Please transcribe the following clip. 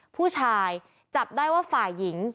ผู้ชายจับได้ว่าฝ่ายหญิง